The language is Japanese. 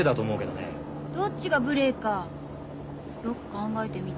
どっちが無礼かよく考えてみて。